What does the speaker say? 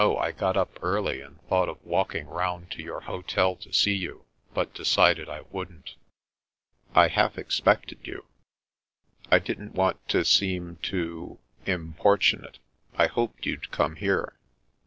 I got up early, and thought of walking round to your hotel' to see you, but decided I wouldn't." " I half expected you." »58 There is No Such Girl 259 "I didn^t want to seem too — ^importunate. I hoped you'd come here."